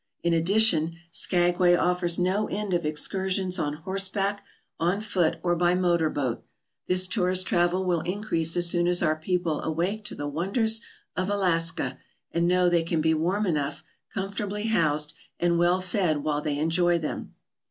In addition, Skagway offers no end of excursions on horseback, on foot, or by motor boat. This tourist travel will increase as soon as our people awake to the wonders of Alaska and know they can be warm enough, comfortably housed, and well fed while they enjoy them.